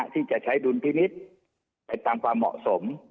ที่จะใช้ดุลพินิษฐ์ไปตามความเหมาะสม